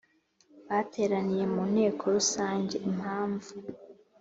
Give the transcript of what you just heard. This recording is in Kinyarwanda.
Bateraniye mu nteko rusange impamvu